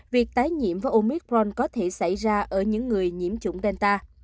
việc tái nhiễm với omicron có thể xảy ra ở những người nhiễm chủng delta